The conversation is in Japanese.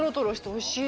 おいしい？